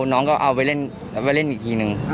น้องก็เอาไปเล่นอีกทีนึง